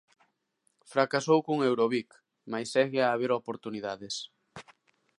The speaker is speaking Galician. Fracasou con Eurobic, mais segue a haber oportunidades.